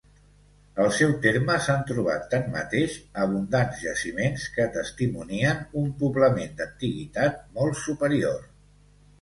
Al seu terme s'han trobat, tanmateix, abundants jaciments que testimonien un poblament d'antiguitat molt superior.